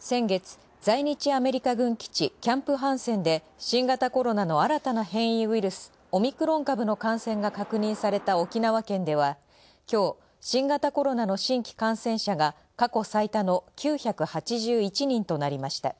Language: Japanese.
先月、在日アメリカ軍基地「キャンプ・ハンセン」で新型コロナの新たな変異ウイルスオミクロン株の感染が確認された沖縄県では今日、新型コロナの新規感染者が過去最多の９８１人となりました。